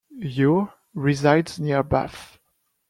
Ure resides near Bath.